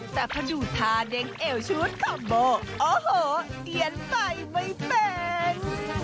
แต่พอดูท่าเด้งเอวชุดคอมโบโอ้โหเรียนไปไม่เป็น